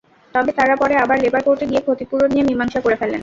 তবে তাঁরা পরে আবার লেবার কোর্টে গিয়ে ক্ষতিপূরণ নিয়ে মীমাংসা করে ফেলেন।